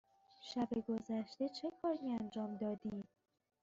شب گذشته چه کاری انجام دادی؟